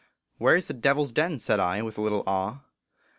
" Where is the Devil s Den," said I, with a little awe.